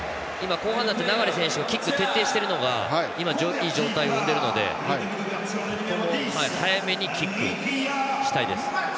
後半になって流選手キックを徹底しているのがいい状況を生んでいるのでここも早めにキックしたいです。